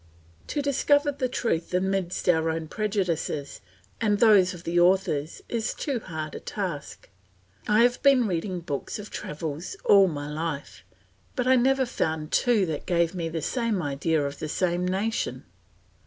To discover the truth amidst our own prejudices and those of the authors is too hard a task. I have been reading books of travels all my life, but I never found two that gave me the same idea of the same nation.